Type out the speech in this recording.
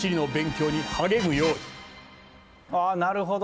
あなるほど。